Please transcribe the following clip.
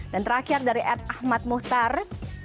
dan terakhir dari ad ahmad muhtar